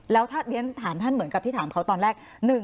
แล้วถ้าเรียนถามท่านเหมือนกับที่ถามเขาตอนแรก